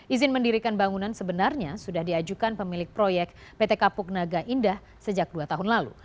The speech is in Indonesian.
izin mendirikan bangunan sebenarnya sudah diajukan pemilik proyek pt kapuk naga indah sejak dua tahun lalu